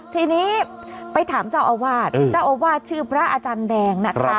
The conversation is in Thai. ทีนี้ไปถามเจ้าอาวาสเจ้าอาวาสชื่อพระอาจารย์แดงนะคะ